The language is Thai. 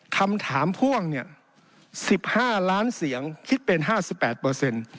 คำถามพ่วงเนี่ย๑๕ล้านเสียงคิดเป็น๕๘เปอร์เซ็นต์